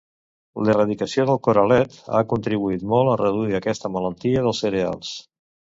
L'erradicació del coralet ha contribuït molt a reduir aquesta malaltia dels cereals.